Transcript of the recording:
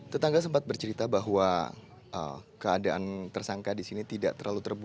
tetangga sempat bercerita bahwa keadaan tersangka di sini tidak terlalu terbuka